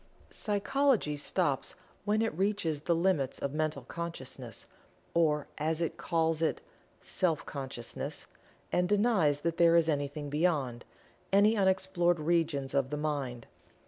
Psychology stops when it reaches the limits of Mental Consciousness, or as it calls it "Self Consciousness," and denies that there is anything beyond any unexplored regions of the Mind.